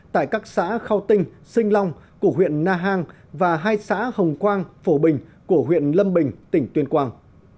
tại các xã khao tinh sinh long của huyện na hàng và hai xã hồng quang phổ bình của huyện lâm bình tỉnh tuyên quang